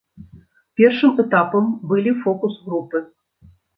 Першым этапам былі фокус-групы.